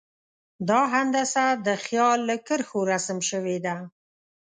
دا هندسه د خیال له کرښو رسم شوې ده.